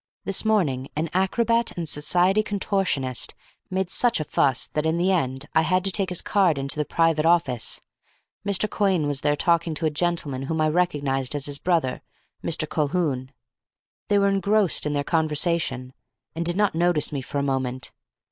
"This morning an Acrobat and Society Contortionist made such a fuss that in the end I had to take his card in to the private office. Mr. Quhayne was there talking to a gentleman whom I recognised as his brother, Mr. Colquhoun. They were engrossed in their conversation, and did not notice me for a moment.